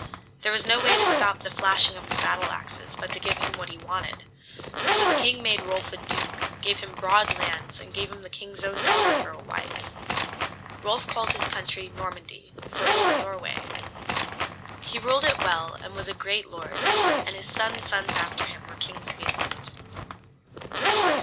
There was no way to stop the flashing of his battle axes but to give him what he wanted. So the king made Rolf a duke, gave him broad lands and gave him the king's own daughter for wife. Rolf called his country Normandy, for old Norway. He ruled it well and was a great lord, and his sons' sons after him were kings of England.